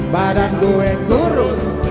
badan gue kurus